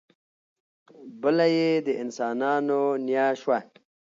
بله یې د انسانانو نیا شوه.